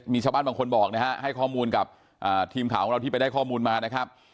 มีชาวบ้านบางคนบอกนะฮะให้ข้อมูลกับทีมข่าวของเราที่ไปได้ข้อมูลมานะครับ